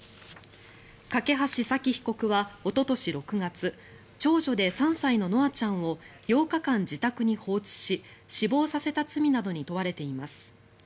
梯沙希被告はおととし６月長女で３歳の稀華ちゃんを８日間自宅に放置し死亡させた罪などに問われています。